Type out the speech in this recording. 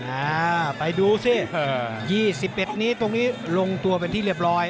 อ่าไปดูสิ๒๑นี้ตรงนี้ลงตัวเป็นที่เรียบร้อย